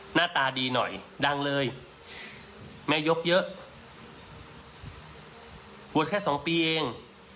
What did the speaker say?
หน้าตาดีหน่อยดังเลยแม่ยกเยอะบวชแค่สองปีเอง